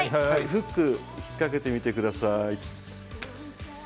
フックに引っ掛けてみてください。